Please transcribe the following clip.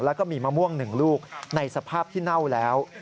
แล้วก็มีมะม่วง๑ลูกในสภาพที่เน่าแล้ว